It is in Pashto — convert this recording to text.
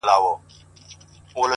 خاموش سکوت ذهن روښانه کوي